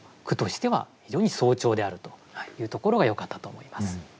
句としては非常に荘重であるというところがよかったと思います。